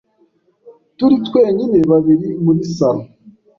turi twenyine babiri muri salon,